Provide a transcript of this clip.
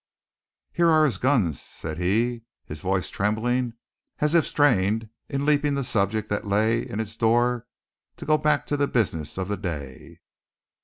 "Here are his guns," said he, his voice trembling as if it strained in leaping the subject that lay in its door to go back to the business of the day.